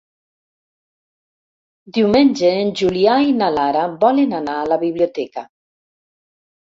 Diumenge en Julià i na Lara volen anar a la biblioteca.